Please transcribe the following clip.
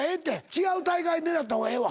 違う大会狙った方がええわ。